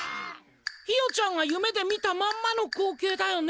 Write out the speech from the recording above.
ひよちゃんが夢で見たまんまの光けいだよね。